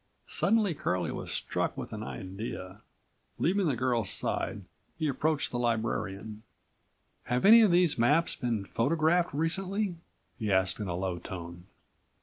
Suddenly Curlie was struck with an idea. Leaving the girl's side, he approached the librarian. "Have any of these maps been photographed recently?" he asked in a low tone.